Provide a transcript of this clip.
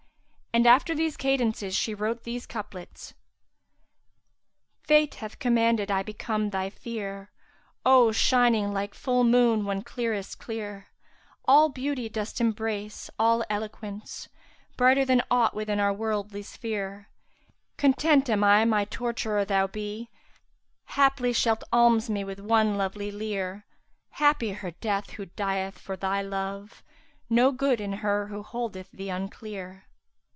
And after these cadences she wrote these couplets, "Fate hath commanded I become thy fere, * O shining like full moon when clearest clear! All beauty dost embrace, all eloquence; * Brighter than aught within our worldly sphere: Content am I my torturer thou be: * Haply shalt alms me with one lovely leer! Happy her death who dieth for thy love! * No good in her who holdeth thee unclear!"